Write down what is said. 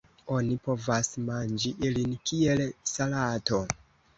Oni povas manĝi ilin kiel salato.